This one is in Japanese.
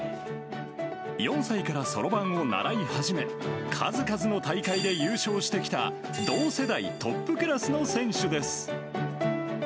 ４歳からそろばんを習い始め、数々の大会で優勝してきた、同世代トップクラスの選手です。